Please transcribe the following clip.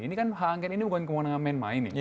ini kan hak angket ini bukan kewenangan main main nih